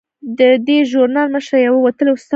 د دې ژورنال مشره یوه وتلې استاده ده.